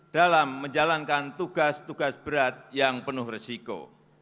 dalam menjalankan tugas tugas berat yang penuh resiko